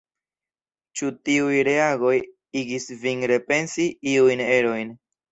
Ĉu tiuj reagoj igis vin repensi iujn erojn?